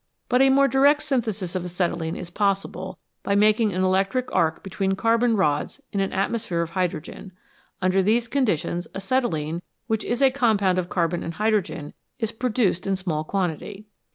But a more direct synthesis of acetylene is possible by making an electric arc between carbon rods in an atmos phere of hydrogen ; under these conditions acetylene, which is a compound of carbon and hydrogen, is produced in small quantity.